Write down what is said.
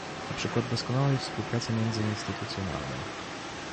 To przykład doskonałej współpracy międzyinstytucjonalnej